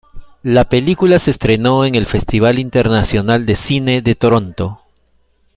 La película se estrenó en el Festival Internacional de Cine de Toronto.